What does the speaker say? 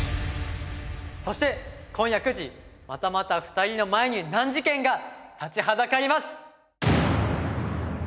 そして今夜９時またまた二人の前に難事件が立ちはだかります！